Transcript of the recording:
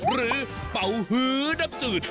หรือเป่าฮือดำจืด